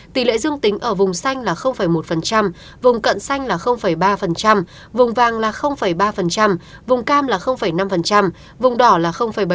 tỷ lệ dương tính ở vùng xanh là một vùng cận xanh là ba vùng vàng là ba vùng cam là năm vùng đỏ là bảy